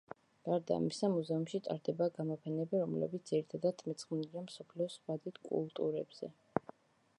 გარდა ამისა, მუზეუმში ტარდება გამოფენები, რომლებიც ძირითადად მიძღვნილია მსოფლიოს სხვა დიდ კულტურებზე.